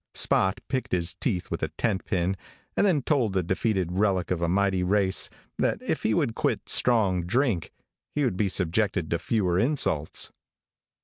Spot picked his teeth with a tent pin, and then told the defeated relic of a mighty race that if he would quit strong drink, he would be subjected to fewer insults.